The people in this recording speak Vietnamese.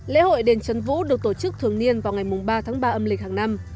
lễ hội đền trấn vũ được tổ chức thường niên vào ngày ba tháng ba âm lịch hàng năm